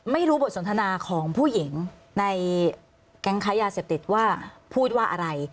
ไม่รู้บทสนทนาของผู้หญิงในแก๊งค้ายาเสพติดว่าพูดว่าอะไร